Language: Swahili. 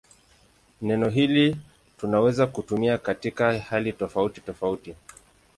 Neno hili tunaweza kutumia katika hali tofautitofauti.